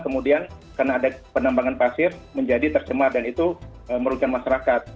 kemudian karena ada penambangan pasir menjadi tercemar dan itu merugikan masyarakat